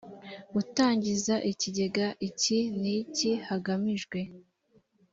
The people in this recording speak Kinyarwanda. gutangiza ikigega iki n iki hagamijwe